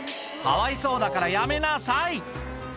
かわいそうだからやめなさい！